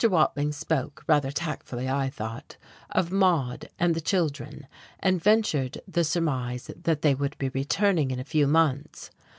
Watling spoke rather tactfully, I thought of Maude and the children, and ventured the surmise that they would be returning in a few months.